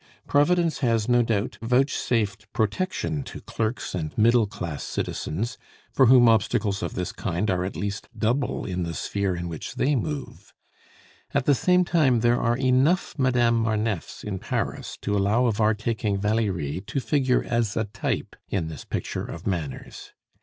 Providence has, no doubt, vouchsafed protection to clerks and middle class citizens, for whom obstacles of this kind are at least double in the sphere in which they move. At the same time, there are enough Madame Marneffes in Paris to allow of our taking Valerie to figure as a type in this picture of manners.